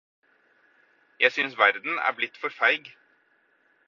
Jeg synes verden er blitt for feig.